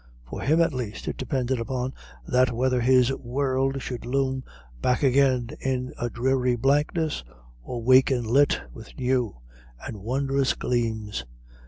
For him at least, it depended upon that whether his world should loom back again in a dreary blankness, or waken lit with new and wondrous gleams.